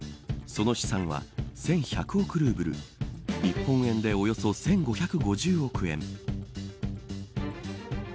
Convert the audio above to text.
その資産は１１００億ルーブル日本円でおよそ１５５０億円。